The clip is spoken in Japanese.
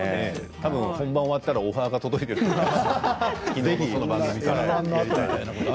たぶん本番が終わったらオファーが届いていると思いますよ。